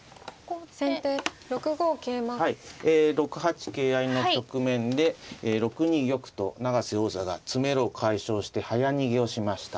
え６八桂合いの局面で６二玉と永瀬王座が詰めろを解消して早逃げをしました。